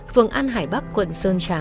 phường an hải bắc quận sơn trà